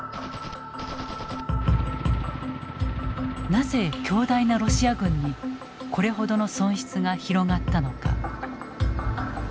なぜ強大なロシア軍にこれほどの損失が広がったのか。